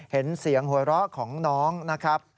เห็นเสียงหัวเราะของน้องนะครับ